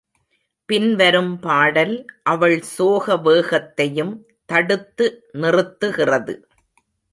பின்வரும் பாடல் அவள் சோக வேகத்தையும் தடுத்து நிறுத்துகிறது.